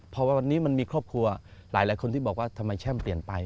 พอวันนี้มันมีครอบครัวหลายคนที่บอกว่าทำไมแช่มเปลี่ยนไป